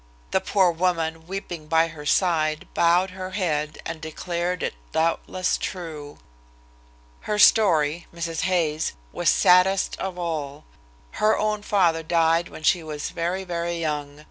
The poor woman, weeping by her side, bowed her head and declared it doubtless true. Her story, Mrs. Hay's, was saddest of all. Her own father died when she was very, very young.